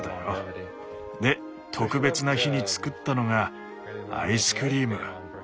で特別な日に作ったのがアイスクリーム。